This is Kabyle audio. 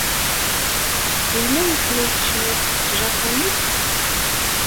Yella wasmi ay tecniḍ s tjapunit?